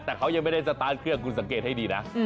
แต่เขายังไม่ได้สตาร์ทเครื่องคุณสังเกตให้ดีนะ